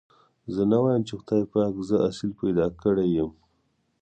زه نه وايم چې خدای پاک زه اصيل پيدا کړي يم.